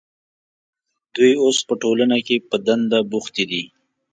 دوی اوس په ټولنه کې په دنده بوختې دي.